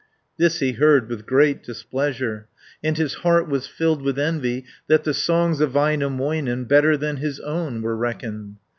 30 This he heard with great displeasure, And his heart was filled with envy That the songs of Väinämöinen Better than his own were reckoned.